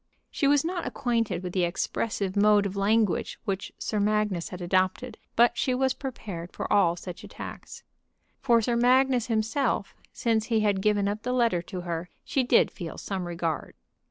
She was not acquainted with the expressive mode of language which Sir Magnus had adopted, but she was prepared for all such attacks. For Sir Magnus himself, since he had given up the letter to her, she did feel some regard.